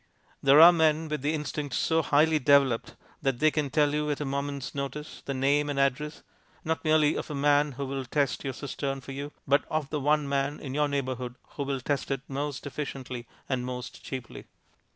There are men with the instinct so highly developed that they can tell you at a moment's notice the name and address, not merely of a man who will test your cistern for you, but of the one man in your neighbourhood who will test it most efficiently and most cheaply.